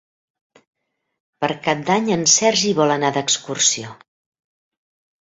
Per Cap d'Any en Sergi vol anar d'excursió.